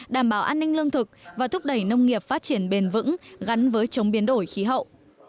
đảm bảo an ninh lương thực và thúc đẩy nông nghiệp phát triển bền vững gắn với chống biến đổi khí hậu